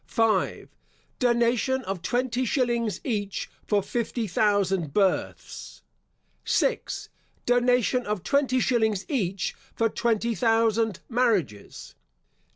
5. Donation of twenty shillings each for fifty thousand births. 6. Donation of twenty shillings each for twenty thousand marriages.